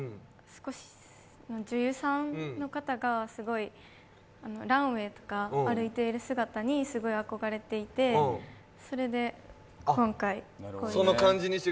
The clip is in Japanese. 女優さんの方がすごいランウェイとか歩いている姿にすごい憧れていて、それで今回、こういう。